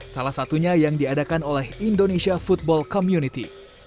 salah satunya yang diadakan oleh indonesia football community